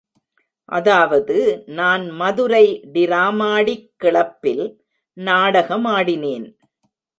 அதாவது நான் மதுரை டிராமாடிக் கிளப்பில் நாடகமாடினேன்!